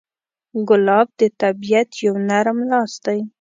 ګلاب د طبیعت یو نرم لاس دی.